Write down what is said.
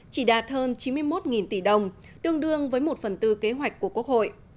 chỉ đạt hơn chín mươi một tỷ đồng tương đương với một phần tư kế hoạch của quốc hội